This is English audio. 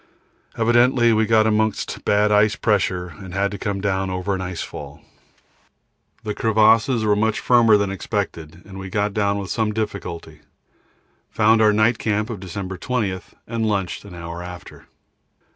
Evidently we got amongst bad ice pressure and had to come down over an ice fall. The crevasses were much firmer than expected and we got down with some difficulty, found our night camp of December 20, and lunched an hour after.